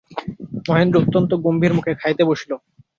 মহেন্দ্র অত্যন্ত গম্ভীর মুখে খাইতে বসিল।